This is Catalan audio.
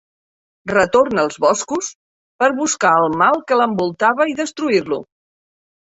Retorna als boscos per buscar el mal que l'envoltava i destruir-lo.